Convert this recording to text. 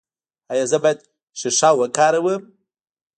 ایا زه باید شیشه وکاروم؟